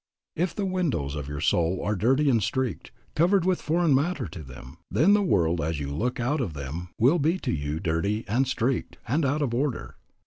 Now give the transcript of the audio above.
If the windows of your soul are dirty and streaked, covered with matter foreign to them, then the world as you look out of them will be to you dirty and streaked and out of order.